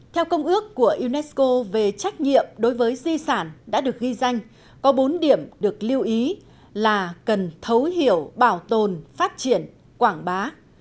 theo công ước của unesco về trách nhiệm đối với di sản đã được ghi danh có bốn điểm được lưu ý là cần thấu hiểu bảo tồn phát triển quảng bá